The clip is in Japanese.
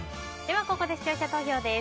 ここで視聴者投票です。